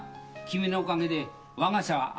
君のおかげでわが社は安泰。